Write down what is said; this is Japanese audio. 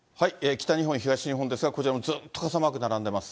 北日本、東日本ですが、こちらもずっと傘マーク並んでます。